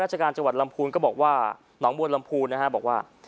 ราชการจังหวัดลำพูนก็บอกว่าหนองบัวลำพูนนะฮะบอกว่า